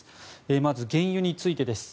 まず、原油についてです。